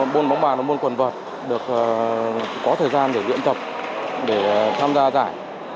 bôn bóng bàn và bôn quần vợt có thời gian để diễn tập để tham gia giải